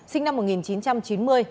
sinh năm một nghìn chín trăm chín mươi